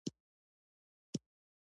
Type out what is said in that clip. تنور د کور د تودو یادونو برخه ده